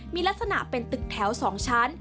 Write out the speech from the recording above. มีลักษณะเป็นตึกแถว๒ชั้น